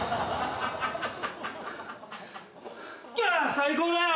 最高だよ。